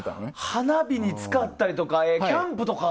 花火に使ったりとかキャンプとか。